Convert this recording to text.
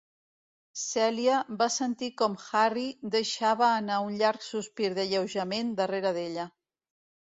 Celia va sentir com Harry deixava anar un llarg sospir d'alleujament darrere d'ella.